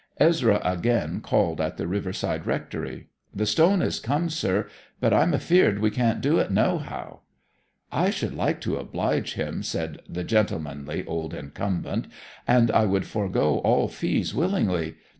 Ezra again called at the riverside rectory. 'The stone is come, sir. But I'm afeard we can't do it nohow.' 'I should like to oblige him,' said the gentlemanly old incumbent. 'And I would forego all fees willingly.